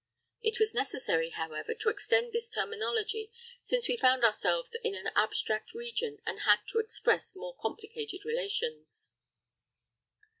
It was necessary, however, to extend this terminology, since we found ourselves in an abstract region, and had to express more complicated relations.